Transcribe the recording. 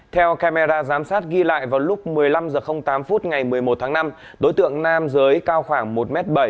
theo camera giám sát ghi lại vào lúc một mươi năm h tám ngày một mươi một tháng năm đối tượng nam giới cao khoảng một m bảy